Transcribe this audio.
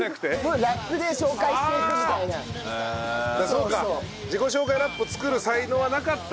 そうか。